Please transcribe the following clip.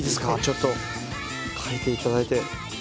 ちょっと書いていただいて。